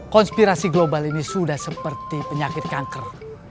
konspirasi global ini sudah seperti penyakit kanker